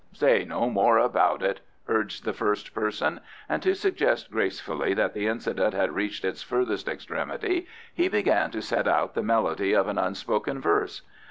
"Say no more about it," urged the first person, and to suggest gracefully that the incident had reached its furthest extremity, he began to set out the melody of an unspoken verse.